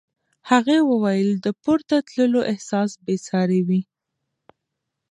هغې وویل د پورته تللو احساس بې ساری و.